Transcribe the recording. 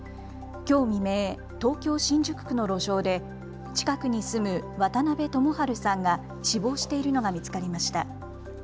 きょう未明、東京新宿区の路上で近くに住む渡邉知晴さんが死亡しているのが見つかりました。